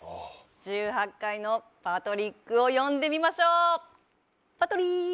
１８階のパトリックを呼んでみましょう。